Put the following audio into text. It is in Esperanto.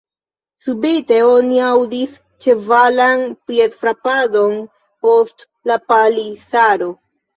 Subite oni aŭdis ĉevalan piedfrapadon post la palisaro.